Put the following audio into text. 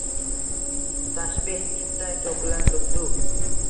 Tashbeh tutday toʼkilar duv-duv